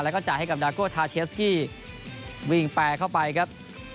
แล้วก็จ่ายให้กับดาโก้ทาเชสกี้วิ่งแปรเข้าไปครับ